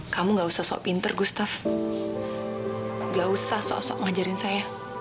kamu gak usah sok pinter gustaf gak usah sok sok ngajarin saya